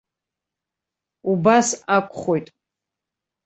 Убас акәхоит.